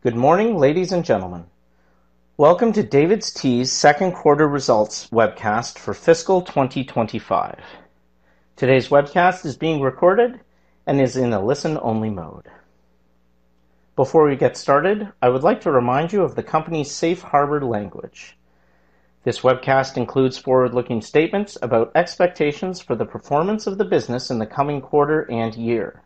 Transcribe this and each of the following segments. Good morning, ladies and gentlemen. Welcome to DAVIDsTEA's second quarter results webcast for fiscal 2025. Today's webcast is being recorded and is in a listen-only mode. Before we get started, I would like to remind you of the company's safe harbor language. This webcast includes forward-looking statements about expectations for the performance of the business in the coming quarter and year.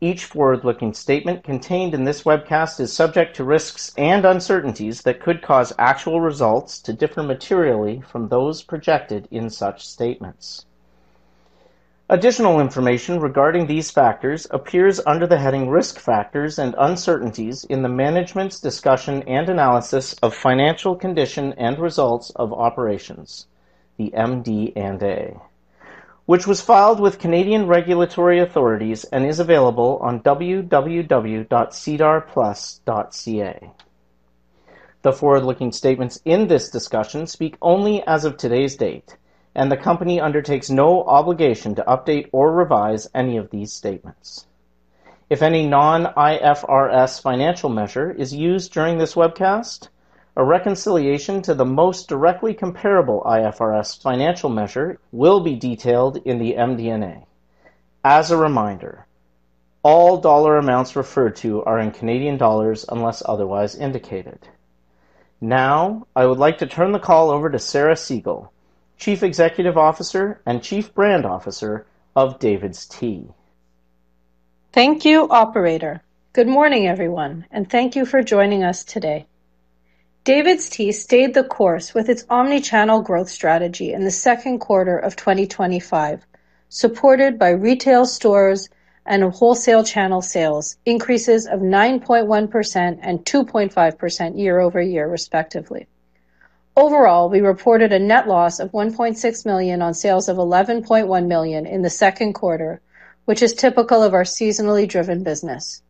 Each forward-looking statement contained in this webcast is subject to risks and uncertainties that could cause actual results to differ materially from those projected in such statements. Additional information regarding these factors appears under the heading "Risk Factors and Uncertainties in the Management's Discussion and Analysis of Financial Condition and Results of Operations" (that's the MD&A), which was filed with Canadian regulatory authorities and is available on www.cdarplus.ca. The forward-looking statements in this discussion speak only as of today's date, and the company undertakes no obligation to update or revise any of these statements. If any non-IFRS financial measure is used during this webcast, a reconciliation to the most directly comparable IFRS financial measure will be detailed in the MD&A. As a reminder, all dollar amounts referred to are in Canadian dollars unless otherwise indicated. Now, I would like to turn the call over to Sarah Segal, Chief Executive Officer and Chief Brand Officer of DAVIDsTEA. Thank you, Operator. Good morning, everyone, and thank you for joining us today. DAVIDsTEA stayed the course with its omnichannel growth strategy in the second quarter of 2025, supported by retail stores and wholesale channel sales increases of 9.1% and 2.5% year-over-year, respectively. Overall, we reported a net loss of $1.6 million on sales of $11.1 million in the second quarter, which is typical of our seasonally driven business.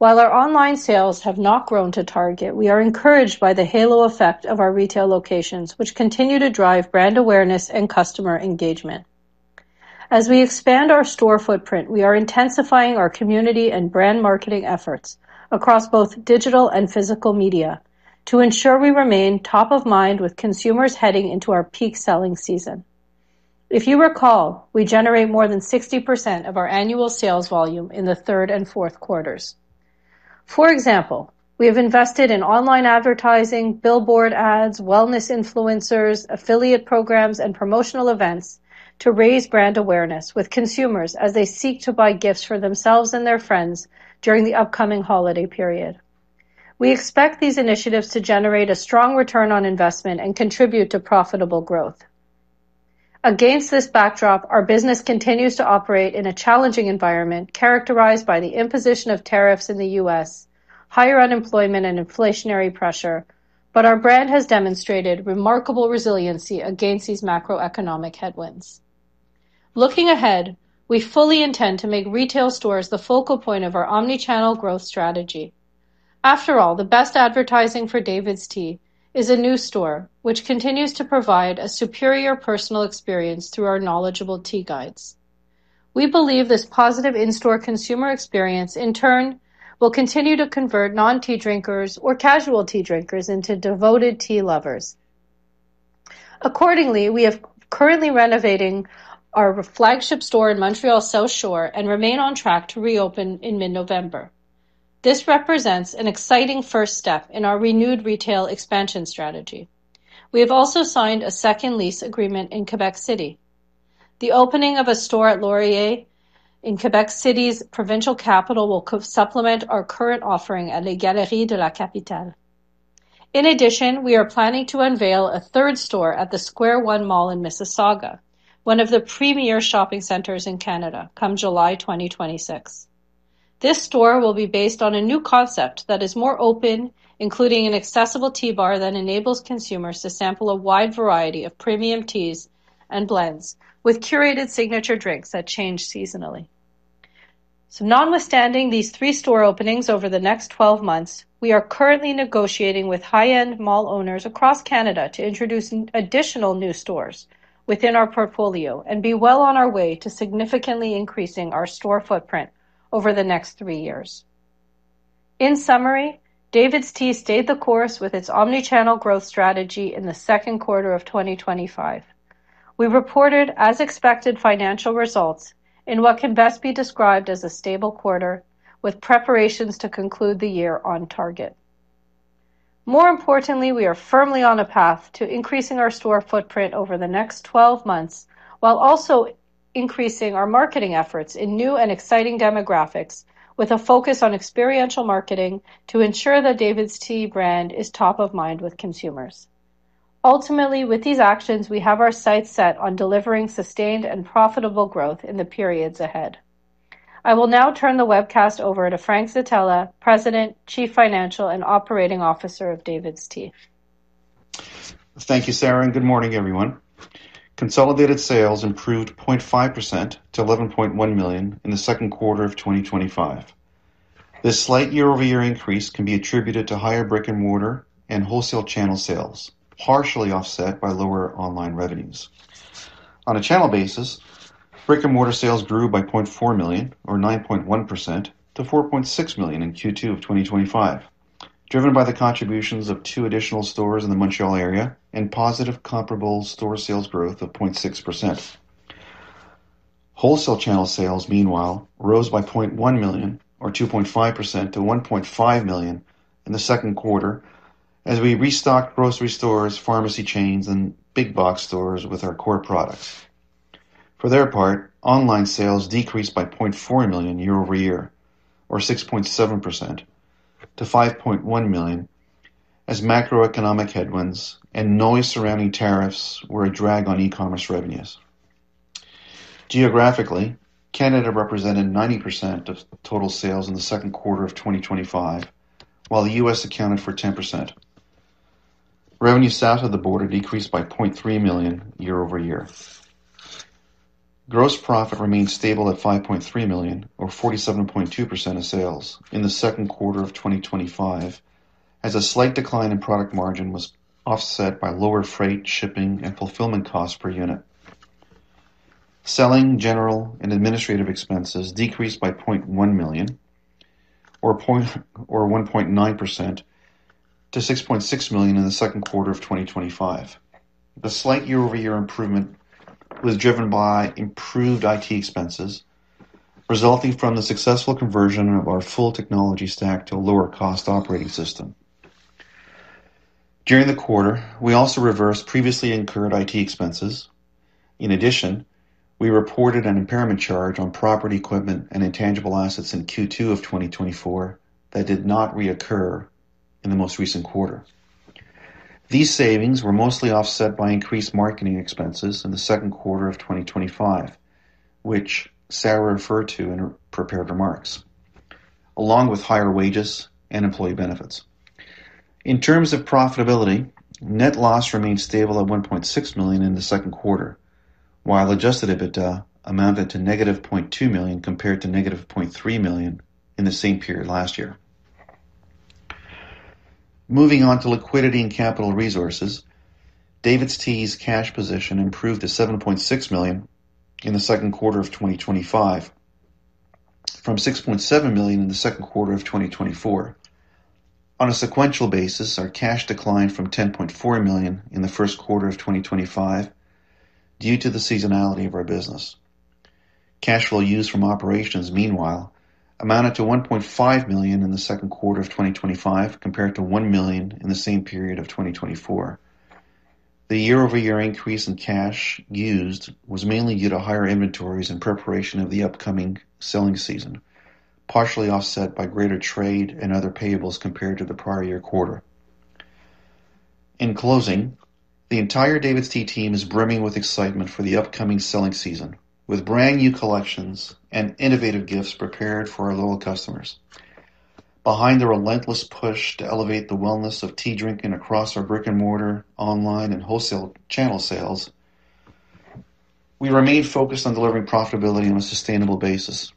While our online sales have not grown to target, we are encouraged by the halo effect of our retail locations, which continue to drive brand awareness and customer engagement. As we expand our store footprint, we are intensifying our community and brand marketing efforts across both digital and physical media to ensure we remain top of mind with consumers heading into our peak selling season. If you recall, we generate more than 60% of our annual sales volume in the third and fourth quarters. For example, we have invested in online advertising, billboard ads, wellness influencers, affiliate programs, and promotional events to raise brand awareness with consumers as they seek to buy gifts for themselves and their friends during the upcoming holiday period. We expect these initiatives to generate a strong return on investment and contribute to profitable growth. Against this backdrop, our business continues to operate in a challenging environment characterized by the imposition of tariffs in the U.S., higher unemployment, and inflationary pressure, but our brand has demonstrated remarkable resiliency against these macroeconomic headwinds. Looking ahead, we fully intend to make retail stores the focal point of our omnichannel growth strategy. After all, the best advertising for DAVIDsTEA is in new stores, which continue to provide a superior personal experience through our knowledgeable tea guides. We believe this positive in-store consumer experience, in turn, will continue to convert non-tea drinkers or casual tea drinkers into devoted tea lovers. Accordingly, we are currently renovating our flagship store in Montreal’s South Shore and remain on track to reopen in mid-November. This represents an exciting first step in our renewed retail expansion strategy. We have also signed a second lease agreement in Quebec City. The opening of a store at Laurier in Quebec City’s provincial capital will supplement our current offering at Les Galeries de la Capitale. In addition, we are planning to unveil a third store at the Square One Mall in Mississauga, one of the premier shopping centers in Canada, come July 2026. This store will be based on a new concept that is more open, including an accessible tea bar that enables consumers to sample a wide variety of premium teas and blends, with curated signature drinks that change seasonally. Notwithstanding these three store openings over the next 12 months, we are currently negotiating with high-end mall owners across Canada to introduce additional new stores within our portfolio and be well on our way to significantly increasing our store footprint over the next three years. In summary, DAVIDsTEA stayed the course with its omnichannel growth strategy in the second quarter of 2025. We reported, as expected, financial results in what can best be described as a stable quarter, with preparations to conclude the year on target. More importantly, we are firmly on a path to increasing our store footprint over the next 12 months while also increasing our marketing efforts in new and exciting demographics, with a focus on experiential marketing to ensure that DAVIDsTEA's brand is top of mind with consumers. Ultimately, with these actions, we have our sights set on delivering sustained and profitable growth in the periods ahead. I will now turn the webcast over to Frank Zitella, President, Chief Financial and Operating Officer of DAVIDsTEA. Thank you, Sarah, and good morning, everyone. Consolidated sales improved 0.5% to $11.1 million in the second quarter of 2025. This slight year-over-year increase can be attributed to higher brick-and-mortar and wholesale channel sales, partially offset by lower online revenues. On a channel basis, brick-and-mortar sales grew by $0.4 million, or 9.1%, to $4.6 million in Q2 of 2025, driven by the contributions of two additional stores in the Montreal area and positive comparable store sales growth of 0.6%. Wholesale channel sales, meanwhile, rose by $0.1 million, or 2.5%, to $1.5 million in the second quarter, as we restocked grocery stores, pharmacy chains, and big-box stores with our core products. For their part, online sales decreased by $0.4 million year-over-year, or 6.7%, to $5.1 million as macroeconomic headwinds and noise surrounding tariffs were a drag on e-commerce revenues. Geographically, Canada represented 90% of total sales in the second quarter of 2025, while the U.S. accounted for 10%. Revenues south of the border decreased by $0.3 million year-over-year. Gross profit remained stable at $5.3 million, or 47.2% of sales in the second quarter of 2025, as a slight decline in product margin was offset by lower freight, shipping, and fulfillment costs per unit. Selling, general, and administrative expenses decreased by $0.1 million, or 1.9%, to $6.6 million in the second quarter of 2025. The slight year-over-year improvement was driven by improved IT expenses resulting from the successful conversion of our full technology stack to a lower-cost operating system. During the quarter, we also reversed previously incurred IT expenses. In addition, we reported an impairment charge on property, equipment, and intangible assets in Q2 of 2024 that did not reoccur in the most recent quarter. These savings were mostly offset by increased marketing expenses in the second quarter of 2025, which Sarah referred to in her prepared remarks, along with higher wages and employee benefits. In terms of profitability, net loss remained stable at $1.6 million in the second quarter, while adjusted EBITDA amounted to negative $0.2 million compared to negative $0.3 million in the same period last year. Moving on to liquidity and capital resources, DAVIDsTEA's cash position improved to $7.6 million in the second quarter of 2025, from $6.7 million in the second quarter of 2024. On a sequential basis, our cash declined from $10.4 million in the first quarter of 2025 due to the seasonality of our business. Cash flow used from operations, meanwhile, amounted to $1.5 million in the second quarter of 2025 compared to $1 million in the same period of 2024. The year-over-year increase in cash used was mainly due to higher inventories in preparation of the upcoming selling season, partially offset by greater trade and other payables compared to the prior year quarter. In closing, the entire DAVIDsTEA team is brimming with excitement for the upcoming selling season, with brand new collections and innovative gifts prepared for our loyal customers. Behind the relentless push to elevate the wellness of tea drinking across our brick-and-mortar, online, and wholesale channel sales, we remain focused on delivering profitability on a sustainable basis.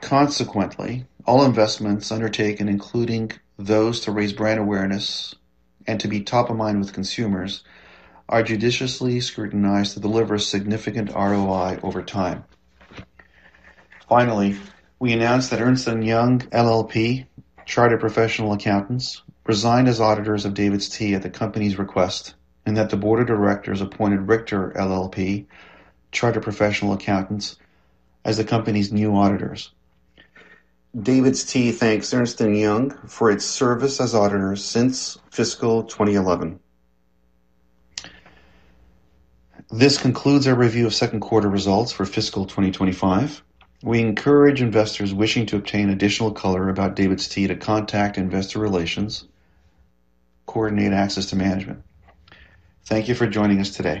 Consequently, all investments undertaken, including those to raise brand awareness and to be top of mind with consumers, are judiciously scrutinized to deliver significant ROI over time. Finally, we announced that Ernst & Young LLP, Chartered Professional Accountants, resigned as auditors of DAVIDsTEA at the company's request and that the Board of Directors appointed Richter LLP, Chartered Professional Accountants, as the company's new auditors. DAVIDsTEA thanks Ernst & Young for its service as auditors since fiscal 2011. This concludes our review of second quarter results for fiscal 2025. We encourage investors wishing to obtain additional color about DAVIDsTEA to contact Investor Relations to coordinate access to management. Thank you for joining us today.